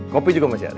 kopi juga masih ada